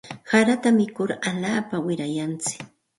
Harata mikur alaapa wirayantsik.